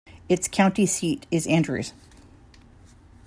Its county seat is Andrews.